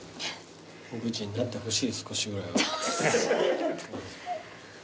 無口になってほしいよ少しぐらいは。